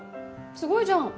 すごいじゃん。